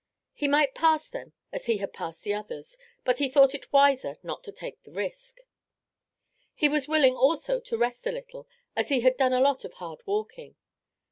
He might pass them as he had passed the others, but he thought it wiser not to take the risk. He was willing also to rest a little, as he had done a lot of hard walking.